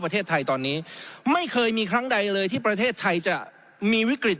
ประเทศไทยตอนนี้ไม่เคยมีครั้งใดเลยที่ประเทศไทยจะมีวิกฤต